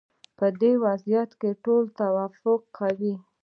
په دې وضعیت کې ټول توافق کوي.